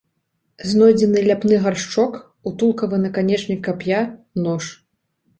Знойдзены ляпны гаршчок, утулкавы наканечнік кап'я, нож.